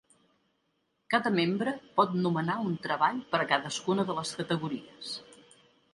Cada membre pot nomenar un treball per a cadascuna de les categories.